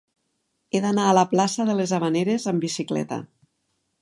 He d'anar a la plaça de les Havaneres amb bicicleta.